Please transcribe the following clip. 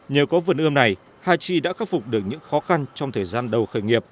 nhờ có vườn ươm này hachi đã khắc phục được những khó khăn trong thời gian đầu khởi nghiệp